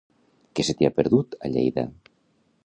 Què se t'hi ha perdut, a Lleida?